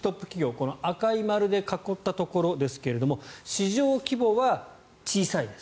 この赤い丸で囲ったところですが市場規模は小さいです。